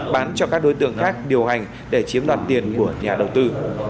bán cho các đối tượng khác điều hành để chiếm đoạt tiền của nhà đầu tư